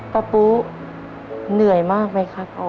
ป๊าปูเหนื่อยมากมั้ยครับ